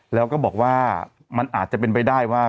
แล้วก็บอกว่ามันอาจจะเป็นไปได้ว่า